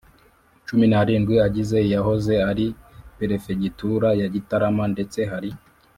Cumi n arindwi agize iyahoze ari perefegitura ya gitarama ndetse hari